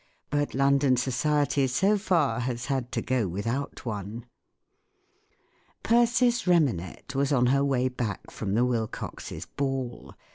But London society, so far, has had to go without one* Persis Remanet was on her way back from the Wilcoxes* ball.